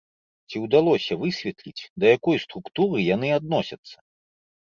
Ці ўдалося высветліць, да якой структуры яны адносяцца?